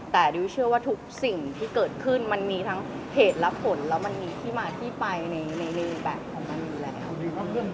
แต่ดิวเชื่อว่าทุกสิ่งที่เกิดขึ้นมันมีทั้งเหตุและผลแล้วมันมีที่มาที่ไปในแบบของมันอยู่แล้ว